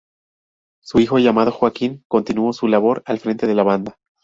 Su hijo, llamado Joaquín, continuó su labor al frente de la banda.